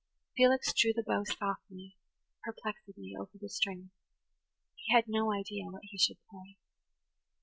Felix drew the bow softly, perplexedly over the strings. He had no idea what he should play.